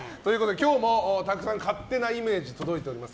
今日もたくさん勝手なイメージが届いております。